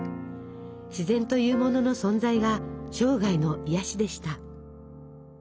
自然というものの存在が生涯の癒やしでした。